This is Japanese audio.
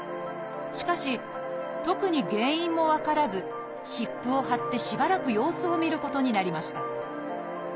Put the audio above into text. しかし特に原因も分からず湿布を貼ってしばらく様子を見ることになりました。